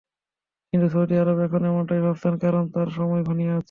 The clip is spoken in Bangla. কিন্তু সৌদি আরব এখন এমনটাই ভাবছে, কারণ তার সময় ঘনিয়ে আসছে।